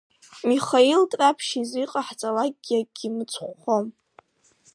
Михаил Ҭраԥшь изы иҟаҳҵалакгьы акгьы мыцхәхом.